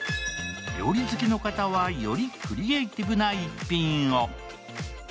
料理好きはよりクリエイティブな一品を。